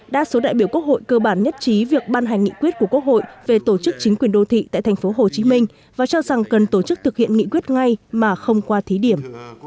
đa số đại biểu quốc hội cơ bản nhất trí việc ban hành nghị quyết của quốc hội về tổ chức chính quyền đô thị tại tp hcm và cho rằng cần tổ chức thực hiện nghị quyết ngay mà không qua thí điểm